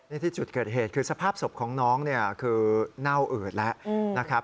นี่ที่จุดเกิดเหตุคือสภาพศพของน้องเนี่ยคือเน่าอืดแล้วนะครับ